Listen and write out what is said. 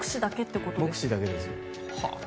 目視だけです。